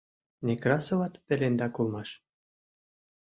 — Некрасоват пелендак улмаш?